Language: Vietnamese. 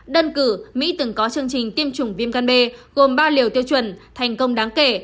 đơn cử mỹ từng có chương trình tiêm chủng viêm gan b gồm ba liều tiêu chuẩn thành công đáng kể